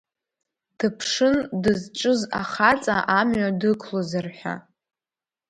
Дыԥшын дызҿыз ахаҵа амҩа дықәлозар ҳәа.